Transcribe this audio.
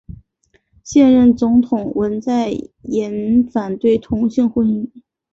现任总统文在寅反对同性婚姻。